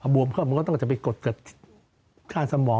บวมเขามันก็ต้องจะไปกดเกิดกล้านสมอง